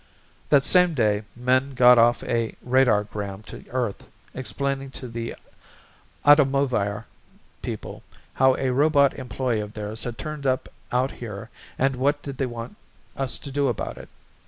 That same day Min got off a radargram to Earth explaining to the Atomovair people how a robot employee of theirs had turned up out here and what did they want us to do about it.